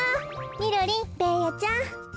みろりんベーヤちゃん。